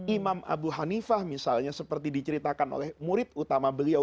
imam abu hanifah misalnya seperti diceritakan oleh murid utama beliau